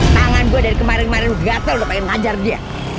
tangan gue dari kemarin kemarin gatot udah pengen ngajar dia